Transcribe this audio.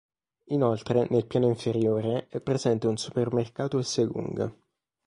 Inoltre, nel piano inferiore, è presente un supermercato Esselunga.